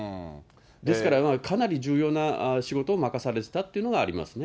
ですから、かなり重要な仕事を任されていたというのがありますね。